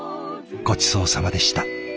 ごちそうさまでした。